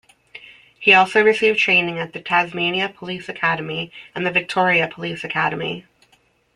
He also received training at the Tasmania Police Academy and the Victoria Police Academy.